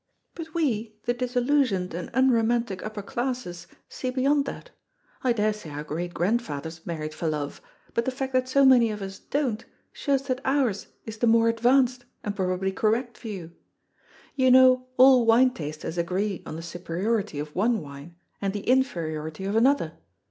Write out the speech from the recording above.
But we, the disillusioned and unromantic upper classes, see beyond that. I daresay our great grandfathers married for love, but the fact that so many of us don't, shows that ours is the more advanced and probably correct view. You know all wine tasters agree on the superiority of one wine, and the inferiority of another.